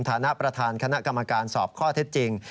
ฐานะประธานคณะกรรมการสอบข้อเท็จจริง